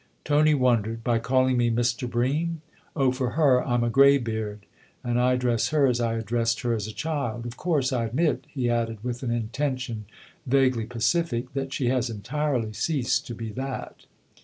Tony wondered. " By calling me ' Mr. Bream '? Oh, for her I'm a greybeard and I address her as I addressed her as a child. Of course I admit," he added with an intention vaguely pacific, "that she has entirely ceased to be that."